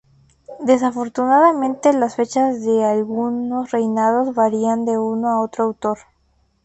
Desafortunadamente las fechas de algunos reinados varían de uno a otro autor.